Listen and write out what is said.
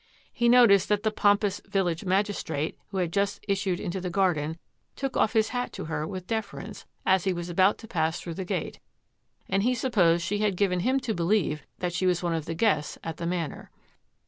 He noticed that the pompous village mag istrate, who had just issued into the garden, took off his hat to her with deference as he was about to pass through the gate, and he supposed she had given him to believe that she was one of the guests at the Manor.